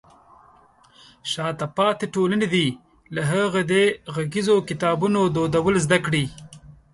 شاته پاتې ټولنې دې له هغې د غږیزو کتابونو دودول زده کړي.